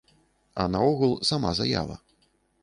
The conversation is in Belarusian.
А наогул, сама заява.